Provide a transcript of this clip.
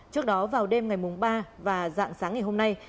trước đó vào đêm ngày ba và dạng sáng ngày hôm nay